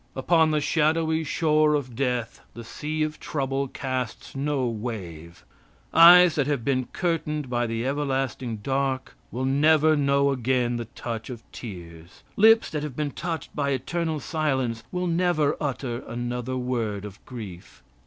Upon the shadowy shore of death the sea of trouble casts no wave. Eyes that have been curtained by the everlasting dark will never know again the touch of tears. Lips that have been touched by eternal silence will never utter another word of grief.